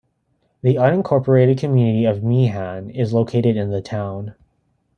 The unincorporated community of Meehan is located in the town.